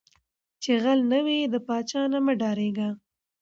ـ چې غل نه وې د پاچاه نه مه ډارېږه.